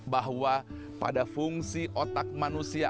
bahwa pada fungsi otak manusia